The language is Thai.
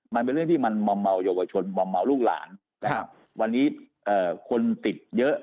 มันเป็นเรื่องที่มันมอมเมาเยาวชนมอมเมาลูกหลานนะครับวันนี้คนติดเยอะ